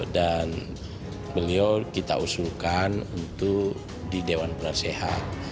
dan beliau kita usulkan untuk di dewan penasehat